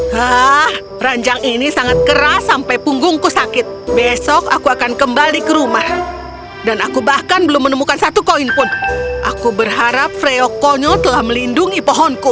hah ranjang ini sangat keras sampai punggungku sakit besok aku akan kembali ke rumah dan aku bahkan belum menemukan satu koin pun aku berharap freo konyol telah melindungi pohonku